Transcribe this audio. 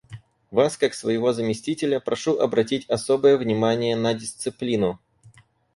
Вас, как своего заместителя, прошу обратить особое внимание на дисциплину.